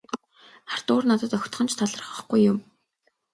Артур надад огтхон ч талархахгүй юм.